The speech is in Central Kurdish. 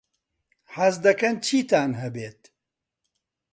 حەز دەکەن چیتان هەبێت؟